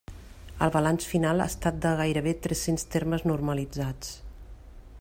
El balanç final ha estat de gairebé tres-cents termes normalitzats.